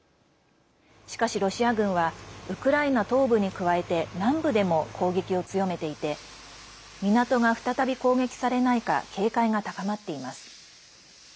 しかし、ロシア軍はウクライナ東部に加えて南部でも攻撃を強めていて港が再び攻撃されないか警戒が高まっています。